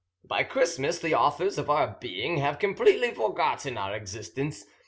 By Christmas the authors of our being have completely forgotten our existence.